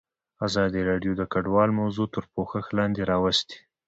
ازادي راډیو د کډوال موضوع تر پوښښ لاندې راوستې.